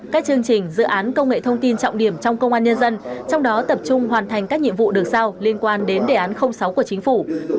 các chương trình dự án công nghệ thông tin trọng điểm trong công an nhân dân trong đó tập trung hoàn thành các nhiệm vụ được sao liên quan đến đề án sáu của chính phủ